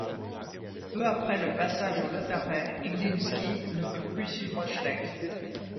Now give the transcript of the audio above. Peu après le passage au Lautaret, Iglinskiy ne peut plus suivre Schleck.